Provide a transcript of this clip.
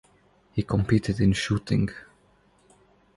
He competed in shooting.